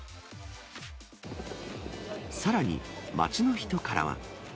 さらに、街の人からは。